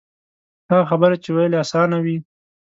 هغه خبرې چې ویل یې آسان وي.